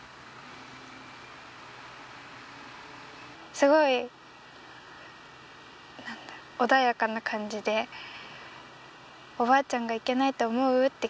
すごくなんだろう穏やかな感じで「おばあちゃんがいけないと思う？」って聞かれて。